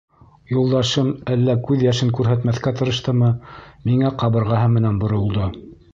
Юлдашым әллә күҙ йәшен күрһәтмәҫкә тырыштымы, миңә ҡабырғаһы менән боролдо.